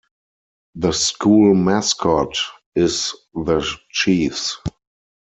The school mascot is the Chiefs.